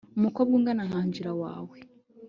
umukobwa ungana nka angella wawe